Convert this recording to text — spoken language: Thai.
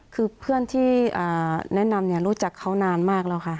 คือเพื่อนที่แนะนำรู้จักเขานานมากแล้วค่ะ